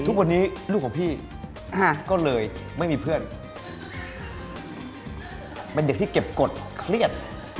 ทุกวันนี้ลูกของพี่ก็เลยไม่มีเพื่อนเป็นเด็กที่เก็บกฎเครียด